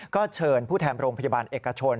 ก็เชิญผู้แทนโรงพยาบาลเอกชน